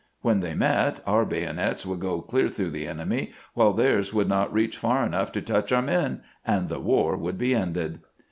When they met, our bayonets would go clear through the enemy, while theirs would not reach far enough to touch our men, and the war would be ended."